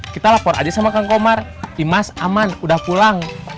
kita lapor aja sama kang komar imas aman udah pulang